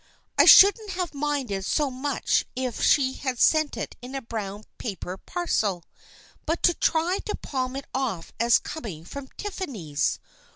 I shouldn't have minded so much if she had sent it in a brown paper parcel, but to try to palm it off as coming from Tiffany's